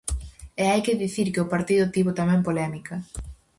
E hai que dicir que o partido tivo tamén polémica.